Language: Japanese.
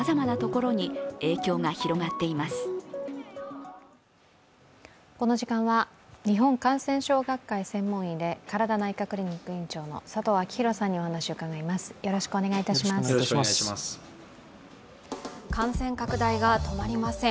この時間は日本感染症学会専門医でＫＡＲＡＤＡ内科クリニック院長の佐藤昭裕さんにお話を伺います。